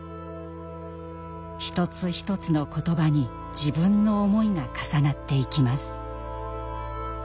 ひとつひとつの言葉に自分の思いが重なっていきます。